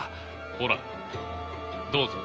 ほらどうぞ。